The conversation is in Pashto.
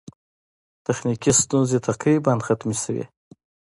تخنیکي ستونزې تقریباً ختمې شوې.